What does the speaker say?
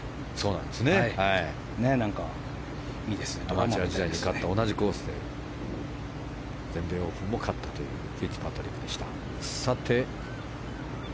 アマチュア時代に勝ったのと同じコースで全米オープンも勝ったというフィッツパトリックでした。